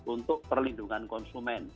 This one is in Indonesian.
untuk perlindungan konsumen